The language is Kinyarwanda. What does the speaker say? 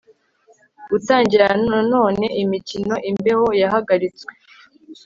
gutangira nanone imikino imbeho yahagaritswe